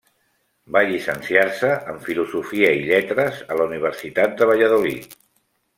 Va llicenciar-se en Filosofia i Lletres a la Universitat de Valladolid.